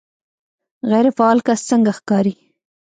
غیر فعال کس څنګه ښکاري